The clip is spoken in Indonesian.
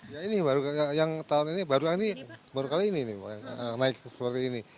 ya ini baru kali ini baru kali ini naik seperti ini